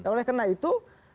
oleh karena itu